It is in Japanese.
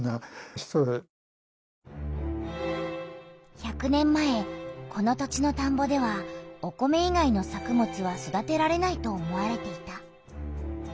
１００年前この土地のたんぼではお米いがいの作物は育てられないと思われていた。